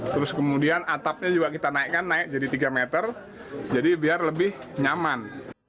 terus kemudian atapnya juga kita naikkan naik jadi tiga meter jadi biar lebih nyaman